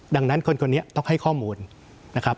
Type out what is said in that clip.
ดังนั้นคนคนนี้ต้องให้ข้อมูลนะครับ